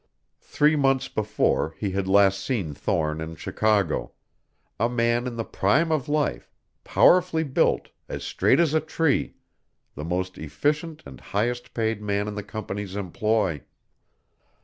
Three months before he had last seen Thorne in Chicago; a man in the prime of life, powerfully built, as straight as a tree, the most efficient and highest paid man in the company's employ.